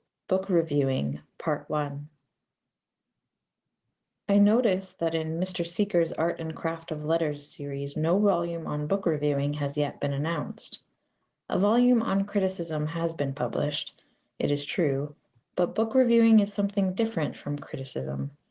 BOOK REVIEWING I notice that in Mr. Seekers' Art and Craft of Letters series no volume on book reviewing has yet been announced. A volume on criticism has been published, it is true, but book reviewing is something different from criticism.